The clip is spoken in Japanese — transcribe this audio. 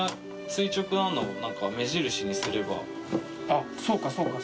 あっそうかそうか。